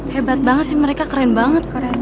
hebat banget sih mereka keren banget